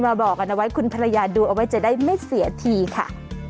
มาบอกอาณวัยคุณภรรยาดูออกไว้จะได้ไม่เสียทีค่ะ